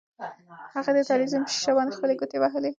هغې د تلویزیون په شیشه باندې خپلې ګوتې وهلې.